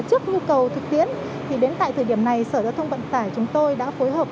trước nhu cầu thực tiễn thì đến tại thời điểm này sở giao thông vận tải chúng tôi đã phối hợp